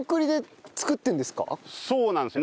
そうなんですよ。